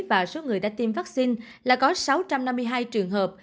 và số người đã tiêm vaccine là có sáu trăm năm mươi hai trường hợp